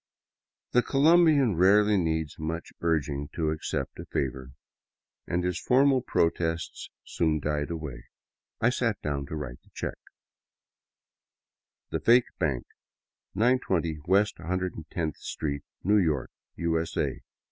The Colombian rarely needs much urging to accept a favor, and his formal protests soon died away. I sat down to write the check : The Fake Bank, 920 West iioth Street, New York, U. S. A.